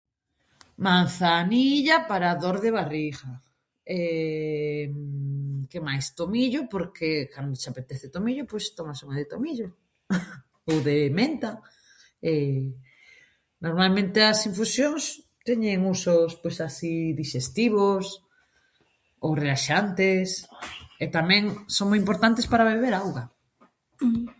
Manzanilla para a dor de barrigha que máis? Tomillo porque cando che apetece tomillo, pois, tomas un unha de tomillo ou de menta normalmente as infusións teñen usos pois así dixestivos ou relaxantes e tamén son moi importantes para beber auga.